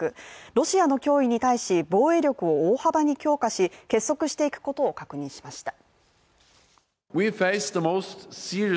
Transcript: ロシアの脅威に対し、防衛力を大幅に強化し結束していくことを確認しました。